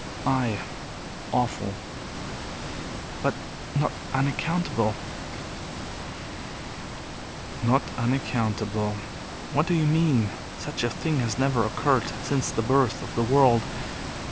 "Ay, awful." "But not unaccountable." "Not unaccountable! What do you mean? Such a thing has never occurred since the birth of the world.